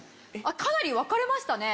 かなり分かれましたね。